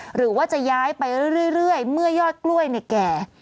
หรือว่าจะย้ายไปเรื่อยเมื่อยอดกล้วยแก่